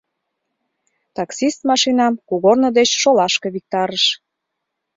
Таксист машинам кугорно деч шолашке виктарыш.